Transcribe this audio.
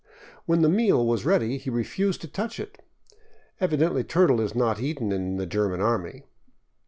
When the meal was ready he refused to touch it. Evidently turtle is not eaten in the German army.